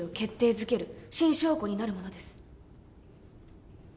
づける新証拠になるものです